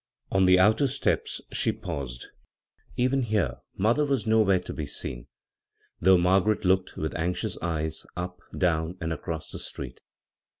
On the outer steps she paused. Even here mother was nowhere to be seen, though b, Google CROSS CURRENTS Margaret looked with anxious eyes up, down, and across the street.